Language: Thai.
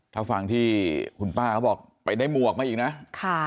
ถ้าฟังที่คุณป้าเขาบอกไปได้หมวกมาอีกนะค่ะ